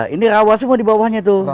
ini rawa semua di bawahnya tuh